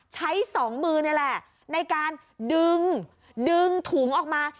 สองมือนี่แหละในการดึงดึงถุงออกมา